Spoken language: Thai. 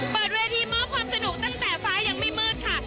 เปิดเวทีมอบความสนุกตั้งแต่ฟ้ายังไม่มืดค่ะ